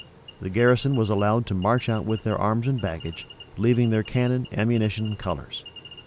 The garrison was allowed to march out with their arms and baggage, leaving their cannon, ammunition, and colors.